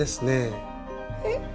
えっ？